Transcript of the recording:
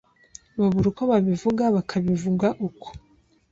babura uko babivuga bakabivuga uko